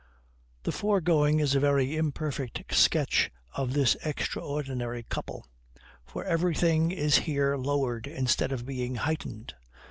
The foregoing is a very imperfect sketch of this extraordinary couple; for everything is here lowered instead of being heightened.